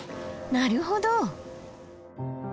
なるほど！